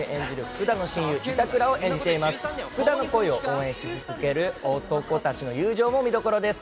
福田の恋を応援し続ける男たちの友情も見どころです。